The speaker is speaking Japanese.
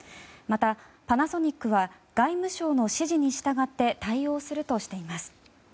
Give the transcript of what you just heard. また、パナソニックは外務省の指示に従って対応するとしています。